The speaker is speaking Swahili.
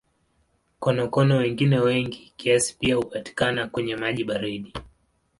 Konokono wengine wengi kiasi pia hupatikana kwenye maji baridi.